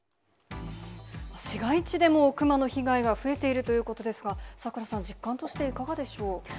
市外地でもクマの被害が増えているということですが、咲楽さん、実感としていかがでしょう。